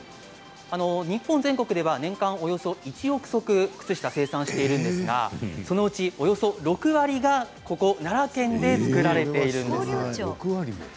日本全国では年間およそ１億足靴下を生産しているんですがそのうち、およそ６割がここ奈良県で作られています。